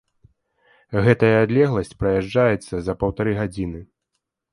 Гэтая адлегласць праязджаецца за паўтары гадзіны.